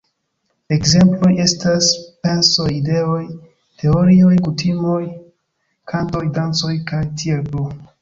Ekzemploj estas pensoj, ideoj, teorioj, kutimoj, kantoj, dancoj kaj tiel plu.